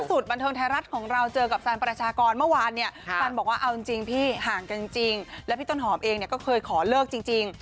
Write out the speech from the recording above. สุดบันเทิงไทยรัฐของเราเจอกับซันประชากรเมื่อวานเนี่ยซันบอกว่าเอาจริงพี่ห่างกันจริงแล้วพี่ต้นหอมเองเนี่ยก็เคยขอเลิกจริง